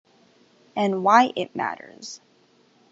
And Why it Matters.